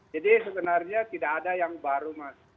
jadi sebenarnya tidak ada yang baru mas